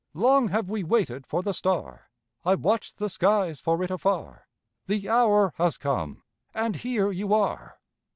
Long have we waited for the Star, I watched the skies for it afar, The hour has come—and here you are."